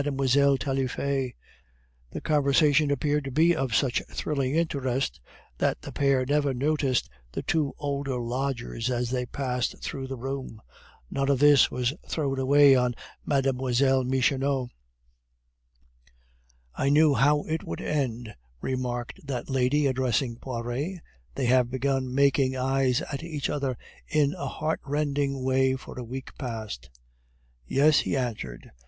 Taillefer; the conversation appeared to be of such thrilling interest that the pair never noticed the two older lodgers as they passed through the room. None of this was thrown away on Mlle. Michonneau. "I knew how it would end," remarked that lady, addressing Poiret. "They have been making eyes at each other in a heartrending way for a week past." "Yes," he answered.